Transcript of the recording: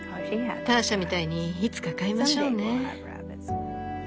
ターシャみたいにいつか飼いましょうね。